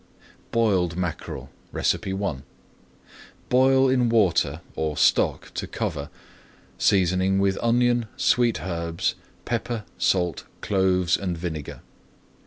BOILED MACKEREL I Boil in water or stock to cover, seasoning with onion, sweet herbs, pepper, salt, cloves, and vinegar.